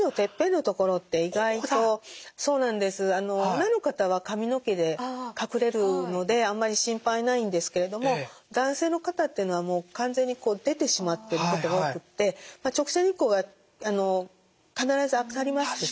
女の方は髪の毛で隠れるのであんまり心配ないんですけれども男性の方っていうのは完全に出てしまってることが多くって直射日光が必ず当たりますでしょ。